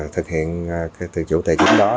thực hiện từ chủ tệ chính đó